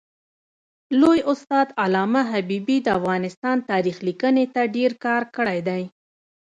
لوی استاد علامه حبیبي د افغانستان تاریخ لیکني ته ډېر کار کړی دی.